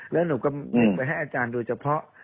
แล้วหนูก็แบ่งไปให้อาจารย์ดูเฉพาะ